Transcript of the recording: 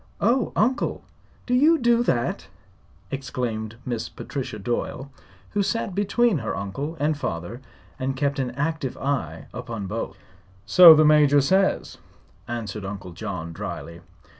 "Oh, Uncle! Do you do that?" exclaimed Miss Patricia Doyle, who sat between her uncle and father and kept an active eye upon both. "So the Major says," answered Uncle John, dryly.